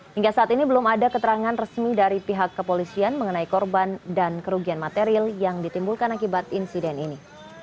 hingga saat ini belum ada keterangan resmi dari pihak kepolisian mengenai korban dan kerugian material yang ditimbulkan akibat insiden ini